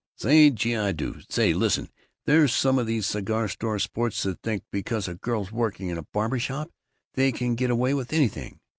"Say, gee, do I! Say, listen, there's some of these cigar store sports that think because a girl's working in a barber shop, they can get away with anything.